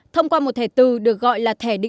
thông qua một thẻ từ được gọi là thu phí tự động